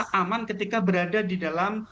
aman ketika berada di dalam